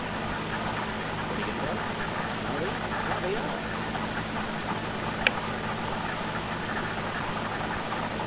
அப்படியென்றால்... அநாதை... அநாதையா?